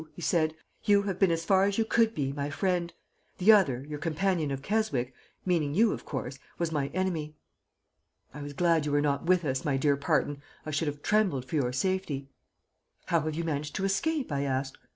he said. 'You have been as far as you could be my friend. The other, your companion of Keswick' meaning you, of course 'was my enemy.' "I was glad you were not with us, my dear Parton. I should have trembled for your safety. "'How have you managed to escape?' I asked.